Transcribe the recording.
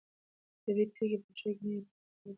طبیعي توکي په شعر کې نوي ترکیبات جوړوي.